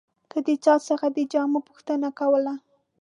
که د چا څخه د جامو پوښتنه کوله.